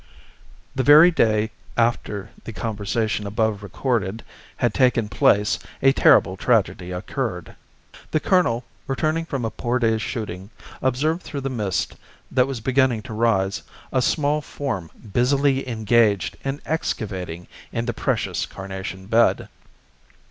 The very day after the conversation above recorded had taken place a terrible tragedy occurred. The colonel, returning from a poor day's shooting, observed through the mist that was beginning to rise a small form busily engaged in excavating in the precious carnation bed.